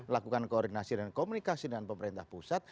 lakukan koordinasi dan komunikasi dengan pemerintah pusat